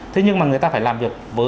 thế nhưng mà người ta phải làm việc với